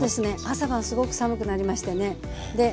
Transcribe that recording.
朝晩すごく寒くなりましてね。